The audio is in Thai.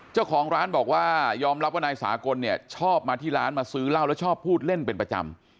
เจ้าของร้านบอกว่ายอมรับว่านายสากลเนี่ยชอบมาที่ร้านมาซื้อเหล้าแล้วชอบพูดเล่นเป็นประจำ